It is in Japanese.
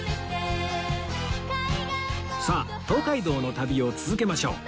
さあ東海道の旅を続けましょう